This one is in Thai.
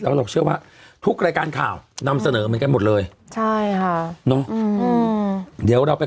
แล้วเราเชื่อว่าทุกรายการข่าวนำเสนอมันกันหมดเลย